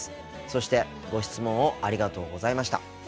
そしてご質問をありがとうございました。